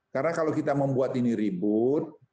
karena kalau kita membuat ini ribut